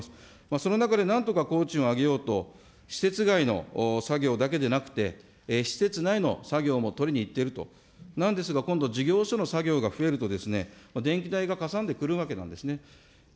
その中でなんとか工賃を上げようと、施設外の作業だけでなくて、施設内の作業も取りにいっていると、なんですが、今度、事業所の作業が増えると、電気代がかさんでくるわけなんですね。